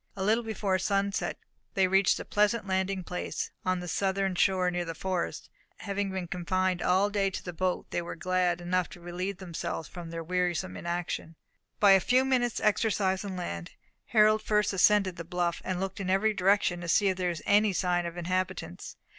A little before sunset they reached a pleasant landing place, on the southern shore, near the forest; and having been confined all day to the boat, they were glad enough to relieve themselves from their wearisome inaction, by a few minutes' exercise on land. Harold first ascended the bluff, and looked in every direction to see if there was any sign of inhabitants.